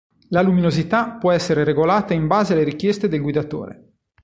La luminosità può essere regolata in base alle richieste del guidatore.